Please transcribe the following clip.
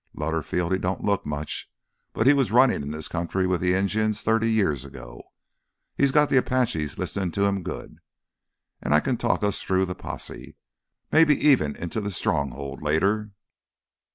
Lutterfield, he don't look much, but he was runnin' in this country with th' Injuns thirty years ago. He's got th' Apaches lissenin' to him good. An' I can talk us through th' posses—maybe even into th' Stronghold later."